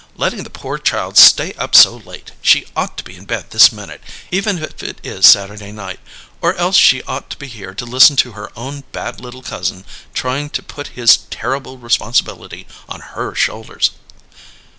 "Letting the poor child stay up so late! She ought to be in bed this minute, even if it is Saturday night! Or else she ought to be here to listen to her own bad little cousin trying to put his terrible responsibility on her shoulders."